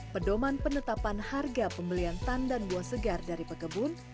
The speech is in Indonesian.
pedoman penetapan harga pembelian tandan buah segar dari pekebun